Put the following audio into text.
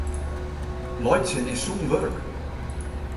Laitsjen is sûn wurk.